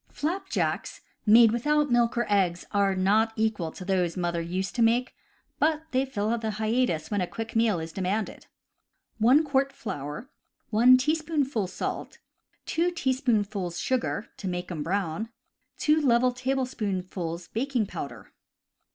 Flapjacks made without milk or eggs are not equal to those that mother used to make, but they fill the hiatus when a quick meal is demanded. 1 quart flour, 1 teaspoonful salt, 2 teaspoonfuls sugar (to make 'em brown), 2 level tablespoonfuls baking powder.